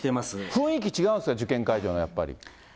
雰囲気違うんですか、受験会場は、やっぱり。